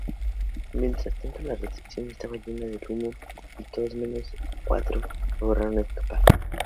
Mientras tanto, la recepción estaba llena de humo, y todos menos cuatro lograron escapar.